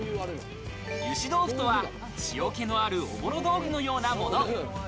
ゆし豆腐とは塩気のあるおぼろ豆腐のようなもの。